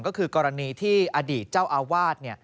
ก็คือกรณีที่อดีตเจ้าอาวาส